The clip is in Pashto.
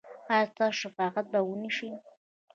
ایا ستاسو شفاعت به و نه شي؟